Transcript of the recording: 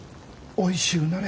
おいしゅうなれ。